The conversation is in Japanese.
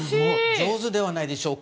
上手ではないでしょうか。